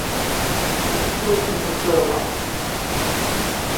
এটি ছিলো একটি মিশ্র অ্যালবাম।